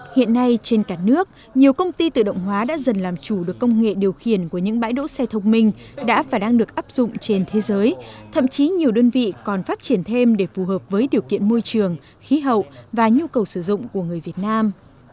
hiện nay trên cả nước nhiều công ty tự động hóa đã dần làm chủ được công nghệ điều khiển của những bãi đỗ xe thông minh đã và đang được áp dụng trên thế giới thậm chí nhiều đơn vị còn phát triển thêm để phù hợp với điều kiện môi trường khí hậu và nhu cầu sử dụng của người việt nam